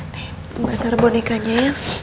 nih baca rebonikannya ya